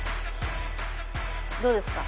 どうですか？